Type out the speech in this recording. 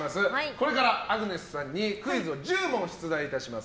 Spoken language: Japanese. これからアグネスさんにクイズを１０問出題します。